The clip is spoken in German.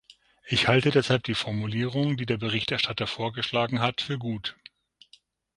Ich halte deshalb die Formulierung, die der Berichterstatter vorgeschlagen hat, für gut.